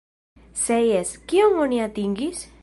Se jes, kion oni atingis?